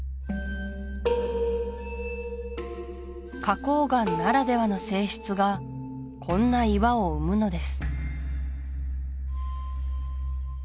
花崗岩ならではの性質がこんな岩を生むのです